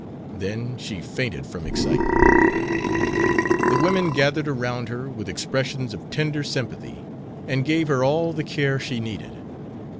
Then she fainted from excitement. The women gathered around her with expressions of tender sympathy, and gave her all the care she needed.